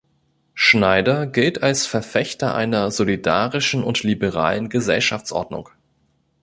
Schneider gilt als Verfechter einer solidarischen und liberalen Gesellschaftsordnung.